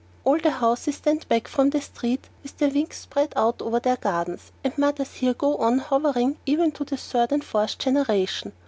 All the houses stand back from the street with their wings spread out over their gardens, and mothers here go on hovering even to the third and fourth generation.